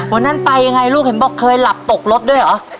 วันนั้นไปยังไงลูกเห็นบอกเคยหลับตกรถด้วยเหรอ